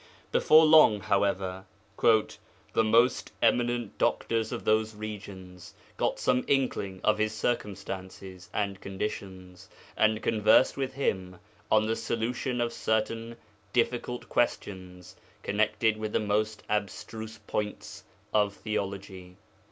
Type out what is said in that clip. Before long, however, 'the most eminent doctors of those regions got some inkling of his circumstances and conditions, and conversed with him on the solution of certain difficult questions connected with the most abstruse points of theology.